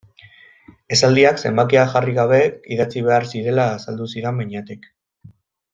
Esaldiak zenbakia jarri gabe idatzi behar zirela azaldu zidan Beñatek.